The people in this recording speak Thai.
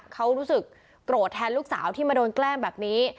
เขารู้สึกโกรธแทนลูกสาวที่มาโดนแกล้งแบบนี้